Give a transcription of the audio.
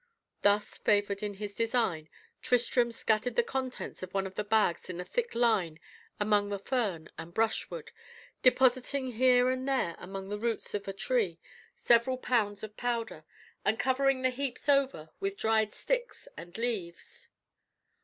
Thus favoured in his design, Tristram scattered the contents of one of the bags in a thick line among the fern and brushwood, depositing here and there among the roots of a tree, several pounds of powder, and covering the heaps over with dried sticks and leaves.